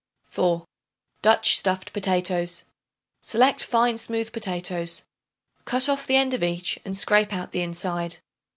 4. Dutch Stuffed Potatoes. Select fine smooth potatoes; cut off the end of each and scrape out the inside.